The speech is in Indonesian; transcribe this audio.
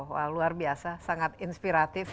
wah luar biasa sangat inspiratif